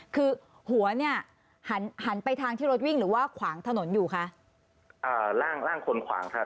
คือหัวเนี่ยหันหันไปทางที่รถวิ่งหรือว่าขวางถนนอยู่คะอ่าร่างร่างคนขวางครับ